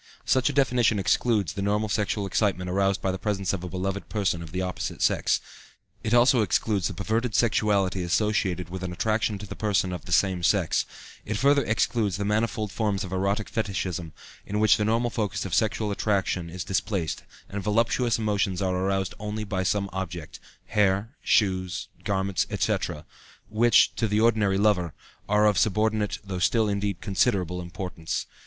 Such a definition excludes the normal sexual excitement aroused by the presence of a beloved person of the opposite sex; it also excludes the perverted sexuality associated with an attraction to a person of the same sex; it further excludes the manifold forms of erotic fetichism, in which the normal focus of sexual attraction is displaced, and voluptuous emotions are only aroused by some object hair, shoes, garments, etc. which, to the ordinary lover, are of subordinate though still, indeed, considerable importance.